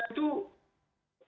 kita itu terlalu biasa